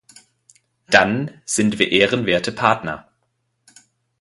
Dann sind wir ehrenwerte Partner.